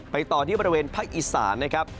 ต่อที่บริเวณภาคอีสานนะครับ